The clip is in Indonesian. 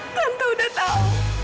tante udah tau